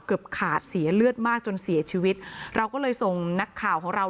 เกือบขาดเสียเลือดมากจนเสียชีวิตเราก็เลยส่งนักข่าวของเรา